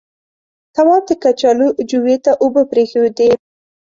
تواب د کچالو جويې ته اوبه پرېښودې.